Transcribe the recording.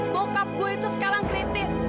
bokap gue itu sekarang kritis